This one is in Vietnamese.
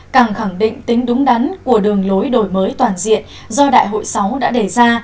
càng khẳng định tính đúng đắn của đường lối đổi mới toàn diện do đại hội sáu đã đề ra